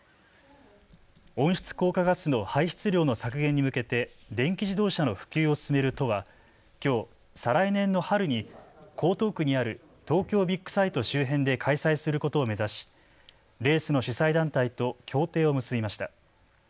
温室効果ガスの排出量の削減に向けて電気自動車の普及を進める都はきょう再来年の春に江東区にある東京ビッグサイト周辺で開催することを目指しレースの主催団体と協定を結びました。